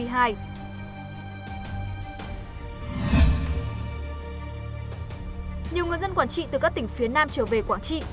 nhiều người dân quảng trị từ các tỉnh phía nam trở về quảng trị